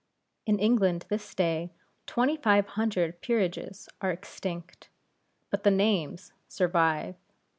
In England this day, twenty five hundred peerages are extinct; but the names survive.